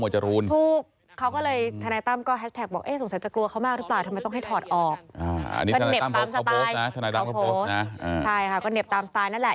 ใช่ค่ะก็เหน็บตามสไตล์นั่นแหละ